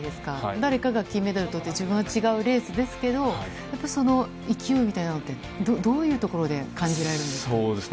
誰かが金メダルとって、自分は違うレースですけど、やっぱりその勢いみたいなものって、どういうところで感じられるんですか。